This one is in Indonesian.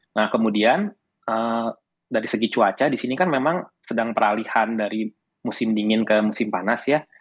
nah kemudian dari segi cuaca di sini kan memang sedang peralihan dari musim dingin ke musim panas ya